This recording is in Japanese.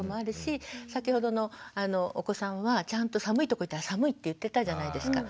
先ほどのお子さんはちゃんと寒いとこ行ったら「寒い」って言ってたじゃないですか。